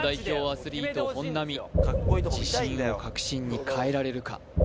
アスリート本並自信を確信に変えられるか？